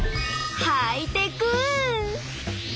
ハイテク！